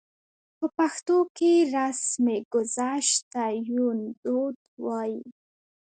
په پښتو کې رسمګذشت ته يوندود وايي.